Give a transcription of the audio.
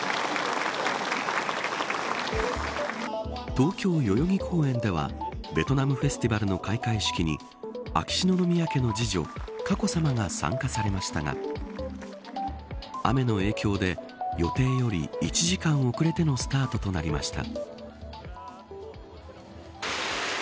東京代々木公園ではベトナムフェスティバルの開会式に秋篠宮家の次女、佳子さまが参加されましたが雨の影響で予定より１時間遅れてのスタートとなりました。